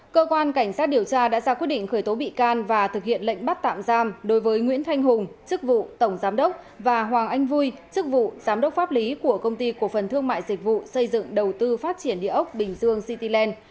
cơ quan cảnh sát điều tra đã ra quyết định khởi tố bị can và thực hiện lệnh bắt tạm giam đối với nguyễn thanh hùng chức vụ tổng giám đốc và hoàng anh vui chức vụ giám đốc pháp lý của công ty cổ phần thương mại dịch vụ xây dựng đầu tư phát triển địa ốc bình dương cityland